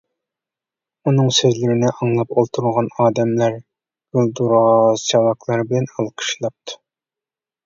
ئۇنىڭ سۆزلىرىنى ئاڭلاپ ئولتۇرغان ئادەملەر گۈلدۈراس چاۋاكلار بىلەن ئالقىشلاپتۇ.